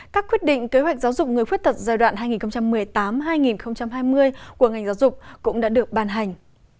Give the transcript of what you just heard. các quyết định kế hoạch giáo dục người khuyết tật giai đoạn hai nghìn một mươi tám hai nghìn hai mươi của ngành giáo dục cũng đã được ban hành